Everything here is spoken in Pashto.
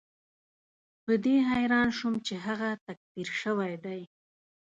په دې حیران شوم چې هغه تکفیر شوی دی.